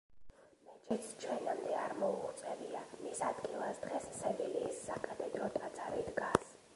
მეჩეთს ჩვენამდე არ მოუღწევია, მის ადგილას დღეს სევილიის საკათედრო ტაძარი დგას.